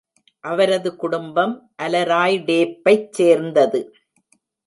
அவரது குடும்பம் அலராய் டேப்பைச் சேர்ந்தது.